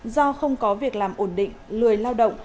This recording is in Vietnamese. do không có việc làm ổn định lười lao động